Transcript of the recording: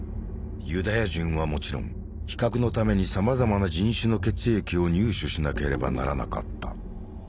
ユダヤ人はもちろん比較のためにさまざまな人種の血液を入手しなければならなかった。